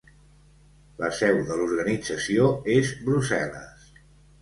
La seu de l'organització és Brussel·les.